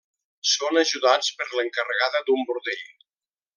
Són ajudats per l'encarregada d'un bordell.